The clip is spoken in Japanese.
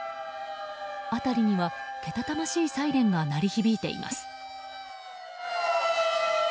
辺りにはけたたましいサイレンが鳴り響いています。